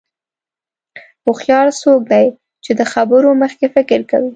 هوښیار څوک دی چې د خبرو مخکې فکر کوي.